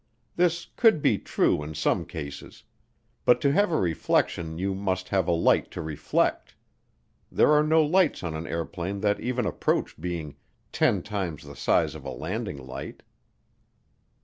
This could be true in some cases, but to have a reflection you must have a light to reflect. There are no lights on an airplane that even approach being "ten times the size of a landing light."